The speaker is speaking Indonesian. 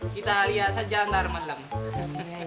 kita lihat saja ntar malam